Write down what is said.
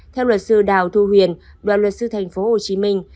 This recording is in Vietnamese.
theo luật sư đào thu huyền đoàn luật sư thành phố hồ chí minh